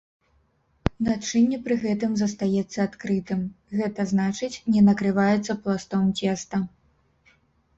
Начынне пры гэтым застаецца адкрытым, гэта значыць не накрываецца пластом цеста.